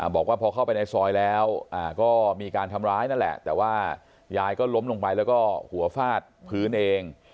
บอกว่าพอเข้าไปในซอยแล้วก็มีการทำร้ายนั่นแหละแต่ว่ายายก็ล้มลงไปแล้วก็หัวฟาดพื้นเอง